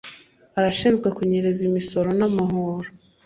arashinjwa kunyereza imisoro n amahoro